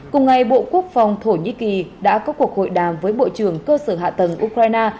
cùng ngày bộ quốc phòng thổ nhĩ kỳ đã có cuộc hội đàm với bộ trưởng cơ sở hạ tầng ukraine